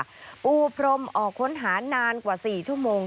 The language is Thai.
ปูพรมออกค้นหานานกว่า๔ชั่วโมง